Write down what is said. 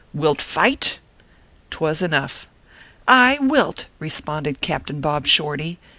Wilt fight ?" Twas enough !" I wilt," responded Captain Bob Shorty.